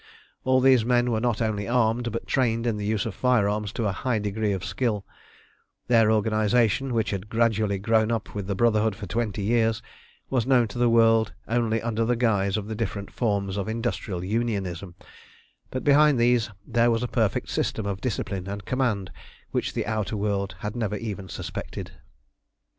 All these men were not only armed, but trained in the use of firearms to a high degree of skill; their organisation, which had gradually grown up with the Brotherhood for twenty years, was known to the world only under the guise of the different forms of industrial unionism, but behind these there was a perfect system of discipline and command which the outer world had never even suspected.